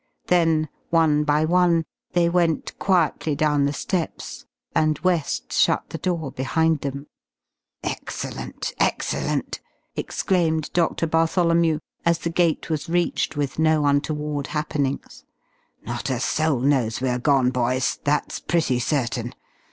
Then one by one they went quietly down the steps, and West shut the door behind them. "Excellent! Excellent!" exclaimed Doctor Bartholomew, as the gate was reached with no untoward happenings. "Not a soul knows we're gone, boys. That's pretty certain.